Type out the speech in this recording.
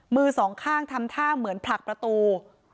มือสองข้างทำท่าเหมือนผลักประตู